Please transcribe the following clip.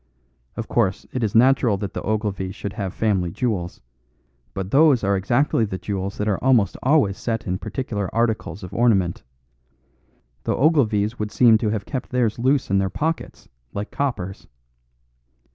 Of course, it is natural that the Ogilvies should have family jewels; but those are exactly the jewels that are almost always set in particular articles of ornament. The Ogilvies would seem to have kept theirs loose in their pockets, like coppers.